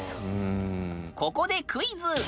ここでクイズ！